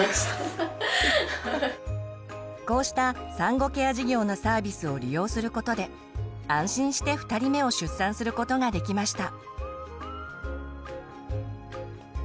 こうした産後ケア事業のサービスを利用することで安心して２人目を出産することができました。